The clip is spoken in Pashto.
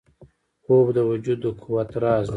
خوب د وجود د قوت راز دی